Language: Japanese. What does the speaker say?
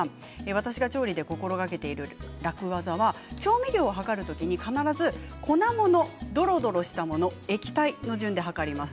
私が調理で心がけている楽ワザは調味料を測る時に必ず粉もののどろどろしたもの液体の順番で測ります。